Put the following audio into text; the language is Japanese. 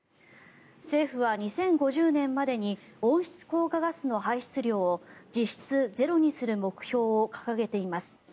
政府は２０５０年までに温室効果ガスの排出量を実質ゼロにする目標を掲げています。